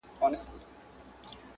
تر اوسه یې د سرو لبو یو جام څکلی نه دی.